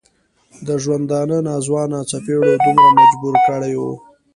د ژوندانه ناځوانه څپېړو دومره مجبور کړی و.